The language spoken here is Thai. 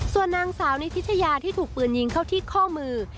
ส่วนนางสาวนิพิทยาที่ถูกปืนยิงเข้าที่ข้อมือ